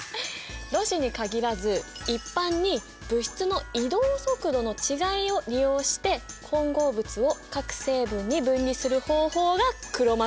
ろ紙に限らず一般に物質の移動速度の違いを利用して混合物を各成分に分離する方法がクロマトグラフィーなんだよ。